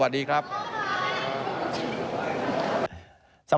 ไม่มีคำสั่ง